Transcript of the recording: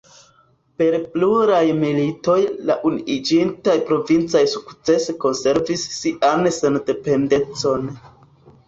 Per pluraj militoj, la Unuiĝintaj Provincoj sukcese konservis sian sendependecon.